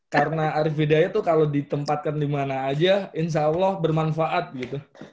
karena arief hidayah tuh kalo ditempatkan dimana aja insya allah bermanfaat gitu